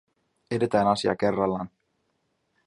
Edetään asia kerrallaan.